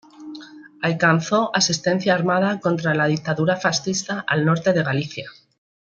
Alcanzó asistencia armada contra la dictadura fascista al norte de Galicia.